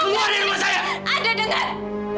tunggu di rumah saya